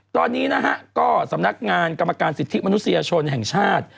ตอนนี้นะฮะก็สำนักงานกรรมการสิทธิมนุษยชนแห่งชาติ